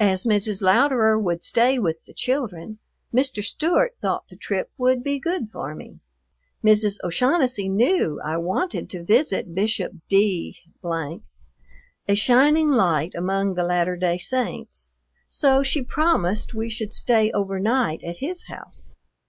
As Mrs. Louderer would stay with the children, Mr. Stewart thought the trip would be good for me. Mrs. O'Shaughnessy knew I wanted to visit Bishop D , a shining light among the Latter Day Saints, so she promised we should stay overnight at his house.